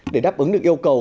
để đáp ứng được yêu cầu